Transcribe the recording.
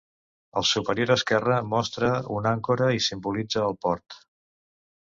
El superior esquerre mostra una àncora, i simbolitza el port.